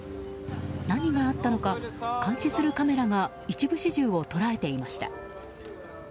何があったのか監視するカメラが一部始終を捉えていました。